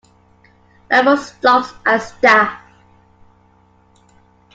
Lumber stocks at Sta.